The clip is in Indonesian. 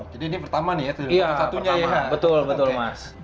jadi ini pertama nih ya iya pertama betul betul mas